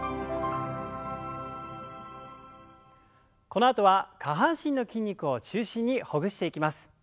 このあとは下半身の筋肉を中心にほぐしていきます。